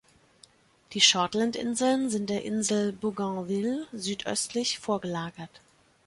Die Shortland-Inseln sind der Insel Bougainville südöstlich vorgelagert.